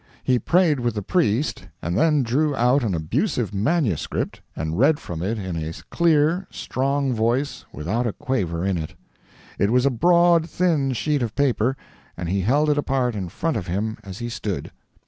He prayed with the priest, and then drew out an abusive manuscript and read from it in a clear, strong voice, without a quaver in it. It was a broad, thin sheet of paper, and he held it apart in front of him as he stood.